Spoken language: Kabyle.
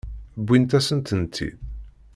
Wwint-asen-tent-id.